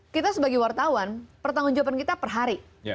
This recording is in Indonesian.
kita sebagai wartawan pertanggung jawaban kita per hari